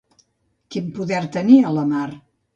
Quin poder tenia la mar?